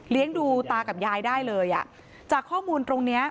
ดูตากับยายได้เลยอ่ะจากข้อมูลตรงเนี้ย